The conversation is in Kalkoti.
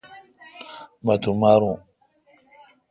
مہ تو مارو۔